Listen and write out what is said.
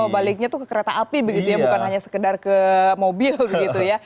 baliknya tuh ke kereta api begitu ya bukan hanya sekedar ke mobil begitu ya